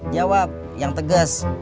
jawab yang tegas